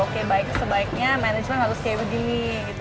oke sebaiknya management harus kayak begini